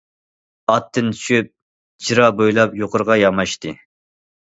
ئاتتىن چۈشۈپ، جىرا بويلاپ يۇقىرىغا ياماشتى.